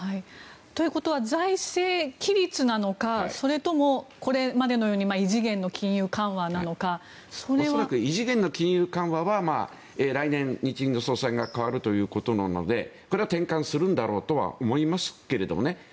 ということは財政規律なのかそれともこれまでのように恐らく異次元の金融緩和は来年、日銀の総裁が代わるということなのでこれは転換するんだろうとは思いますけれどもね